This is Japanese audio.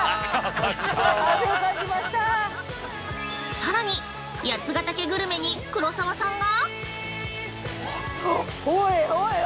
さらに、八ヶ岳グルメに黒沢さんが！？